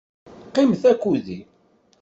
Qqimet akked-i.